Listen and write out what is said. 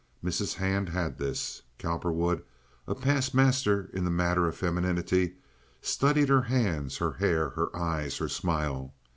Mrs. Hand had this. Cowperwood, a past master in this matter of femininity, studied her hands, her hair, her eyes, her smile.